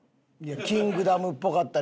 『キングダム』っぽかったり『古畑』